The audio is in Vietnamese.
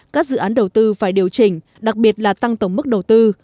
các dự án đầu tư phải điều chỉnh đặc biệt là tăng tổng mức đầu tư